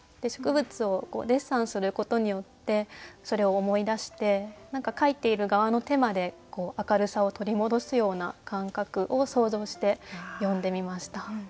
植物をデッサンすることによってそれを思い出して何か描いている側の手まで明るさを取り戻すような感覚を想像して詠んでみました。